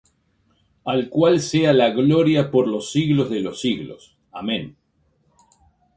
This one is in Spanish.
Al cual sea la gloria por siglos de siglos. Amén.